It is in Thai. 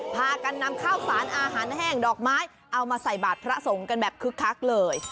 พากันนำข้าวสารอาหารแห้งดอกไม้เอามาใส่บาทพระสงฆ์กันแบบคึกคักเลย